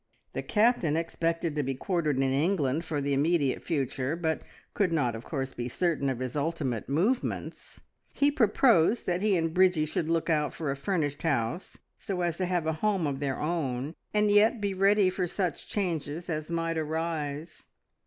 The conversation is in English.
The Captain expected to be quartered in England for the immediate future, but could not of course be certain of his ultimate movements. He proposed that he and Bridgie should look out for a furnished house, so as to have a home of their own and yet be ready for such changes as might arise.